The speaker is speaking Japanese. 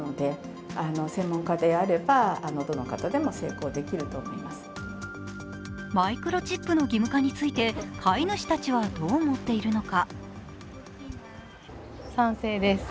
装着する様子を見てみるとマイクロチップの義務化について飼い主たちは、どう思っているのか？